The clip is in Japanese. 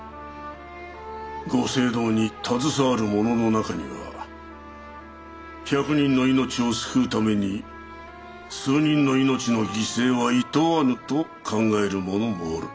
ご政道に携わる者の中には１００人の命を救うために数人の命の犠牲はいとわぬと考える者もおる。